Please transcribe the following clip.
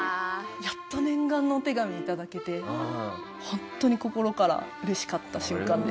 やっと念願のお手紙頂けてホントに心から嬉しかった瞬間です。